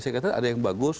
saya katakan ada yang bagus